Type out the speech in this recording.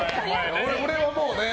俺はもうね。